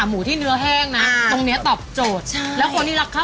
โอ้มันแบบลึ้มลิ้นอะ